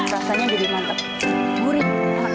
rasanya jadi mantap gurih